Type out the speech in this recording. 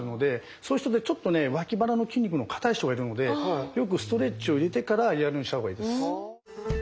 そういう人でちょっとねわき腹の筋肉の硬い人がいるのでよくストレッチをいれてからやるようにした方がいいです。